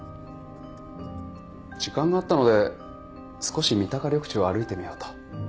時間があったので少し三鷹緑地を歩いてみようと。